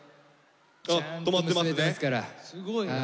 あ留まってますね。